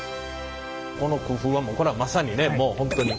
この工夫はこれはまさにねもう本当に。